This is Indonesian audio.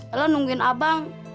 elah nungguin abang